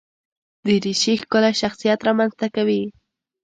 دریشي ښکلی شخصیت رامنځته کوي.